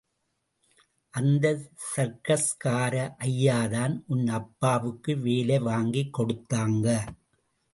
அந்த சர்க்கஸ்கார ஐயாதான் உன் அப்பாவுக்கு வேலை வாங்கிக் கொடுத்தாங்க.